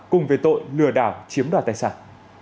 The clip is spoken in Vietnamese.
cùng về tội lừa đảo chiếm đoàn tài sản